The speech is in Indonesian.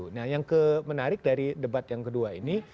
nah yang menarik dari debat yang kedua ini